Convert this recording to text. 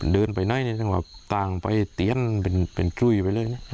เดินไปน้อยต่างไปเตียนเป็นจุ้ยไปเลย